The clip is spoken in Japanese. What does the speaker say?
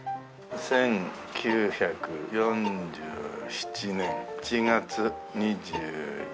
１９４７年１月２１日。